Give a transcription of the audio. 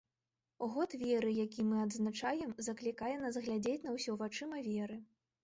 Год веры, які мы адзначаем, заклікае нас глядзець на ўсё вачыма веры.